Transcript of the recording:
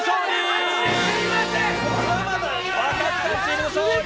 若槻さんチームの勝利！